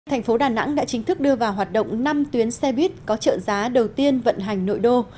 thành phố đà nẵng đã chính thức đưa vào hoạt động năm tuyến xe buýt có trợ giá đầu tiên vận hành nội đô